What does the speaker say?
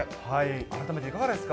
改めていかがですか。